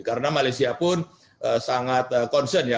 karena malaysia pun sangat concern ya